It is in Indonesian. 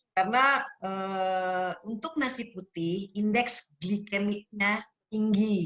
karena untuk nasi putih indeks glikemiknya tinggi